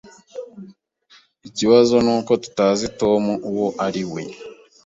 Ikibazo nuko tutazi Tom uwo ari we.